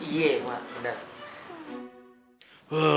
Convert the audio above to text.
iya mak udah